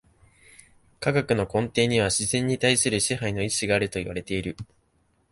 科学の根底には自然に対する支配の意志があるといわれている。